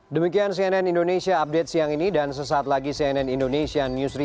demikian cnn indonesia update siang ini dan sesaat lagi cnn indonesia news report